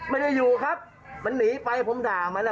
ไม่ได้อยู่ครับมันหนีไปผมด่ามันแล้ว